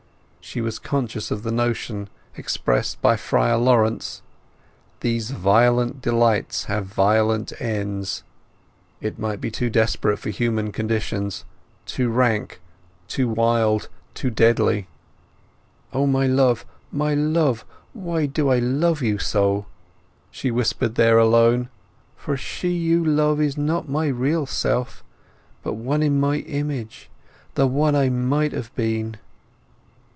She was conscious of the notion expressed by Friar Laurence: "These violent delights have violent ends." It might be too desperate for human conditions—too rank, to wild, too deadly. "O my love, why do I love you so!" she whispered there alone; "for she you love is not my real self, but one in my image; the one I might have been!"